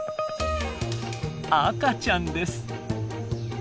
赤ちゃんです。